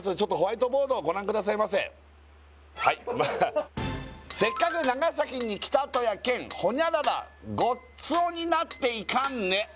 ホワイトボードをご覧くださいませはい「せっかく長崎に来たとやけん」「○○ごっつおになっていかんね」